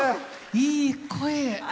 いい声。